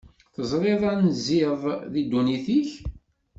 Teẓriḍ anziḍ di ddunit-ik?